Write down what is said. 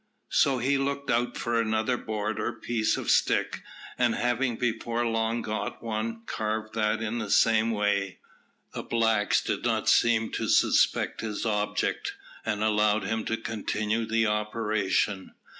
So he looked out for another board or piece of stick; and having before long got one, carved that in the same way. The blacks did not seem to suspect his object, and allowed him to continue the operation.